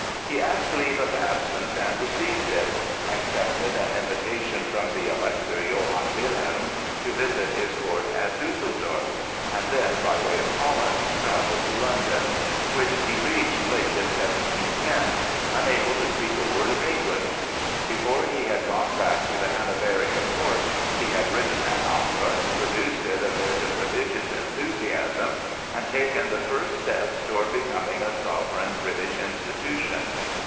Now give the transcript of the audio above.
He asked leave of absence and received it; accepted an invitation from the Elector Johann Wilhelm to visit his court at Düsseldorf; and then, by way of Holland, traveled to London, which he reached late in 1710, unable to speak a word of English. Before he had gone back to the Hanoverian Court he had written an opera, produced it amid prodigious enthusiasm and taken the first steps toward becoming a sovereign British institution.